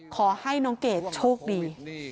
ขอให้น้องเกดโชคดี